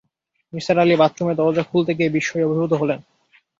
নিসার আলি বাথরুমের দরজা খুলতে গিয়ে বিস্ময়ে অভিভূত হলেন।